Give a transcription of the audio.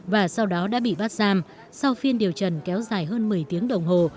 và sau đó đã bị bắt giam sau phiên điều trần kéo dài hơn một mươi tiếng đồng hồ